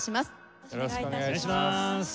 よろしくお願いします。